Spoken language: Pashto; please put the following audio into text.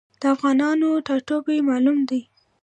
د افغانانو ټاټوبی معلوم دی.